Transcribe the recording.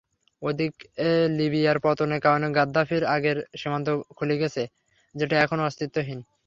ওদিকে লিবিয়ার পতনের কারণে গাদ্দাফির আগের সীমান্ত খুলে গেছে, যেটা এখন অস্তিত্বহীন।